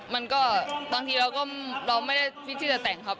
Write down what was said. มันก็ตอนที่เราไม่ได้ฟิกที่จะแต่งครับ